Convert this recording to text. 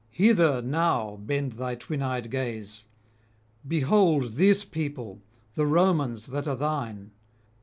Hither now bend thy twin eyed gaze; behold this people, the Romans that are thine.